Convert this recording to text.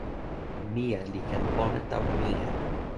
mije li ken pona tawa mije.